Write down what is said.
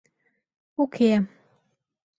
— Уке...